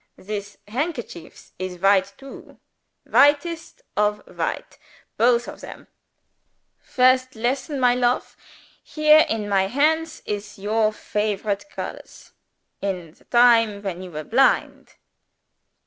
"This handkerchief is white, too; whitest of white, both of them. First lesson, my lofe! Here in my hands is your favorite colors, in the time when you were blind."